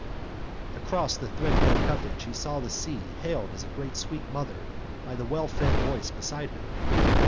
Across the threadbare cuffedge he saw the sea hailed as a great sweet mother by the wellfed voice beside him.